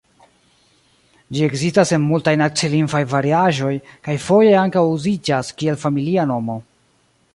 Ĝi ekzistas en multaj nacilingvaj variaĵoj, kaj foje ankaŭ uziĝas kiel familia nomo.